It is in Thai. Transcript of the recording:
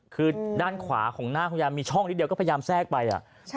คือด้านขวาของหน้าคุณยายมีช่องนิดเดียวก็พยายามแทรกไป